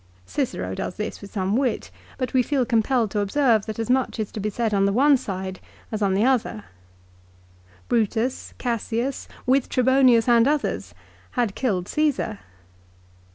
Cicero does this with some wit, but we feel compelled to observe that as much is to be said on the one side as 011 the other. Brutus, Cassius, with Trebonius and others, had killed Caesar.